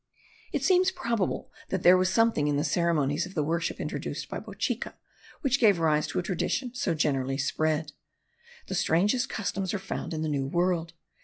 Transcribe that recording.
It seems probable that there was something in the ceremonies of the worship introduced by Bochica which gave rise to a tradition so generally spread. The strangest customs are found in the New World.